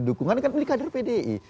dukungan kan milik kader pdi